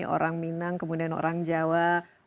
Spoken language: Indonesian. orang minang kemudian orang jawa